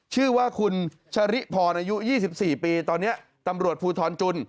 ชื่อว่าคุณชะริพรอายุยี่สิบสี่ปีตอนเนี้ยตำรวจภูทรจุน